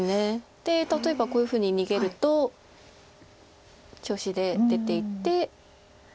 で例えばこういうふうに逃げると調子で出ていって。